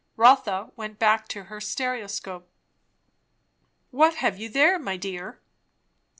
Rotha went back to her stereoscope. "What have you there, my dear?"